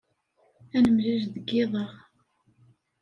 Ad nemlil deg yiḍ-a.